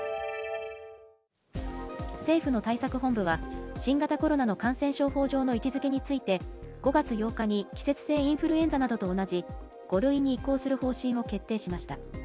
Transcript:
政府の対策本部は、新型コロナの感染症法上の位置づけについて、５月８日に季節性インフルエンザなどと同じ、５類に移行する方針を決定しました。